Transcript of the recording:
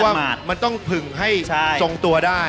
เพราะว่ามันต้องผึงให้ส่งตัวได้